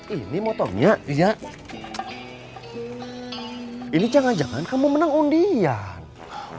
ini motornya iya ini jangan jangan kamu menang undian